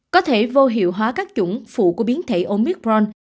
có thể vô hiệu hóa các chủng phụ của biến thể omicron